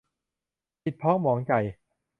ผิดพ้องหมองใจ